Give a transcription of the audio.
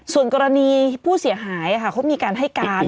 ส่วนกรณีผู้เสียหายเขามีการให้การ